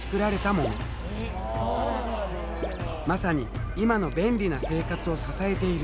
まさに今の便利な生活を支えている。